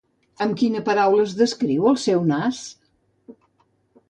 Amb quina paraula es descriu el seu nas?